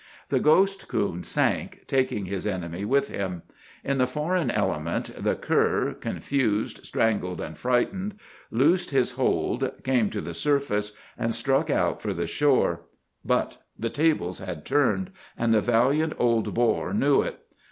The ghost coon sank, taking his enemy with him. In the foreign element the cur, confused, strangled, and frightened, loosed his hold, came to the surface and struck out for the shore. But the tables had turned, and the valiant old boar knew it.